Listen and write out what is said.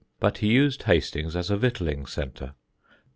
But he used Hastings as a victualling centre.